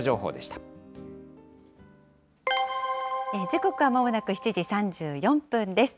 時刻はまもなく７時３４分です。